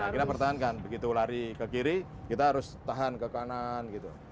kita pertahankan begitu lari ke kiri kita harus tahan ke kanan gitu